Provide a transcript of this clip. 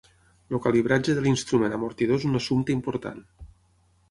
El calibratge de l'instrument amortidor és un assumpte important.